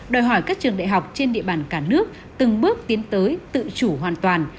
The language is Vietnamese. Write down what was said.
đòi hỏi các trường đại học trên địa bàn cả nước từng bước tiến tới tự chủ hoàn toàn